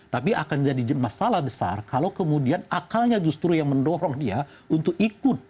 tapi akan jadi masalah besar kalau kemudian akalnya justru yang mendorong dia untuk ikut